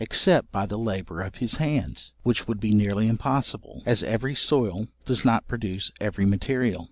except by the labour of his hands, which would be nearly impossible, as every soil does not produce every material.